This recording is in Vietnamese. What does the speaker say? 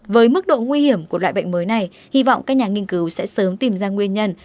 với mức độ nguy hiểm của loại bệnh mới này hy vọng các nhà nghiên cứu sẽ sớm tìm ra nguyên nhân